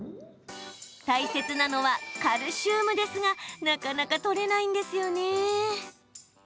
大事なのはカルシウムですがなかなかとれないんですよね。